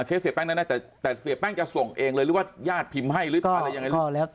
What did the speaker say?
เสียแป้งแน่แต่เสียแป้งจะส่งเองเลยหรือว่าญาติพิมพ์ให้หรืออะไรยังไง